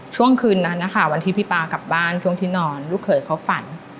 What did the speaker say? ช่วงคืนนั้นนะคะวันที่พี่ป๊ากลับบ้านช่วงที่นอนลูกเขยเขาฝัน